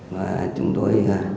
và chúng tôi